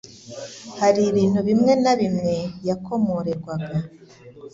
Hari ibintu bimwe na bimwe yakomorerwaga,